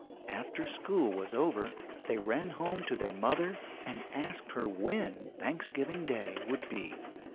After school was over, they ran home to their mother, and asked her when Thanksgiving Day would be.